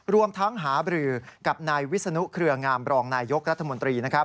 รวมทั้งหาบรือกับนายวิศนุเครืองามรองนายยกรัฐมนตรี